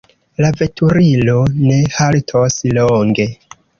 La veturilo ne haltos longe.